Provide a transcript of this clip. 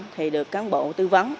thì được cán bộ tư vấn